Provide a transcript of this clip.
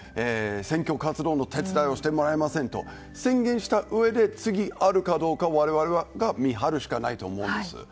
選挙活動の手伝いをしてもらいませんと宣言したうえで次、あるかどうか我々が見張るしかないと思います。